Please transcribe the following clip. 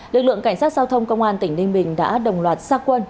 lực lượng cảnh sát giao thông công an tỉnh ninh bình đã đồng loạt xa quân